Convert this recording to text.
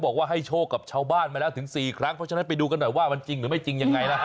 บอกว่าให้โชคกับเช่าบ้านมาแล้วถึง๔ครั้งไม่จริงหรือไม่จริง